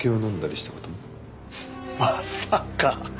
まさか。